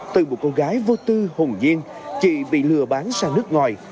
từ một cô gái vô tư hùng diên chị bị lừa bán sang nước ngoài